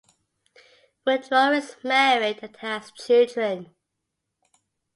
Woodrow is married and has children.